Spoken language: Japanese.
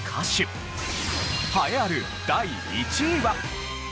栄えある第１位は。